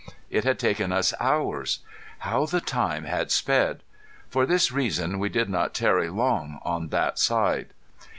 It had taken us hours. How the time had sped! For this reason we did not tarry long on that side.